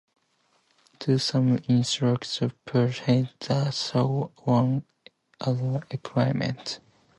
The Smithsonian Institution purchased the saw and other equipment.